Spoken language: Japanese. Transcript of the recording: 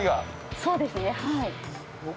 そうですねはい。